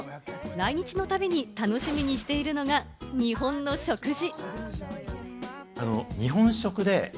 来日のたびに楽しみにしているのが日本の食事。